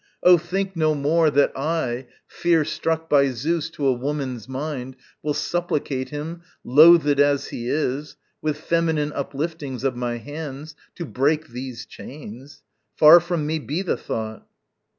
Oh, think no more That I, fear struck by Zeus to a woman's mind, Will supplicate him, loathèd as he is, With feminine upliftings of my hands, To break these chains. Far from me be the thought!